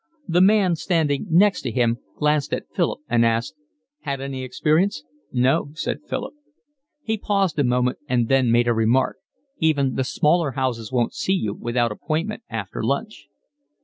The man, standing next him, glanced at Philip and asked: "Had any experience?" "No," said Philip. He paused a moment and then made a remark: "Even the smaller houses won't see you without appointment after lunch."